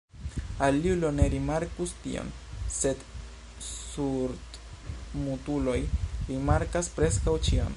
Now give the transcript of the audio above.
Aliulo ne rimarkus tion, sed surdmutuloj rimarkas preskaŭ ĉion.